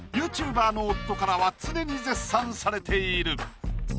ＹｏｕＴｕｂｅｒの夫からは常に絶賛されている。